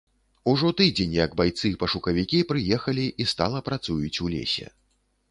Ужо тыдзень, як байцы-пашукавікі прыехалі і стала працуюць у лесе.